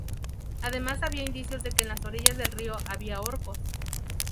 Además, había indicios de que en las orillas del río había orcos.